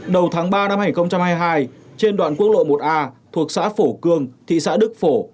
đầu tháng ba năm hai nghìn hai mươi hai trên đoạn quốc lộ một a thuộc xã phổ cương thị xã đức phổ